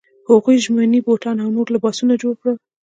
هغوی ژمني بوټان او نور لباسونه جوړ کړل.